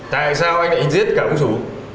tại sao anh lại giết cả ông chủ